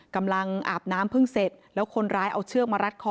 กำลังอาบน้ำพึ่งเสร็จแล้วคนร้ายเอาเชือกมารัดคอ